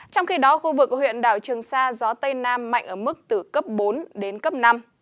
trong khi đó khu vực huyện đảo trường sa gió tây nam mạnh ở mức từ cấp bốn đến cấp năm